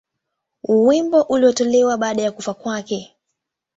Wimbo ulitolewa baada ya kufa kwake.